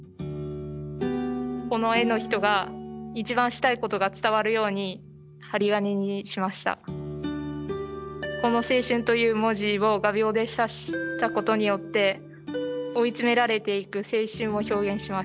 この絵の人がこの「青春」という文字を画びょうで刺したことによって追い詰められていく青春を表現しました。